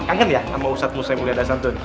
kangen ya sama ustadz musa yang mulia dan langsung